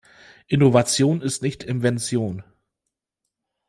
Innovation ist nicht Invention.